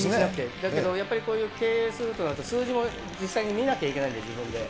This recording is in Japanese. だけどやっぱりこういう経営するとなると、数字も実際に見なきゃいけないんで、自分で。